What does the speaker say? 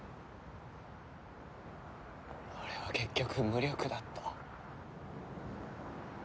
俺は結局無力だった。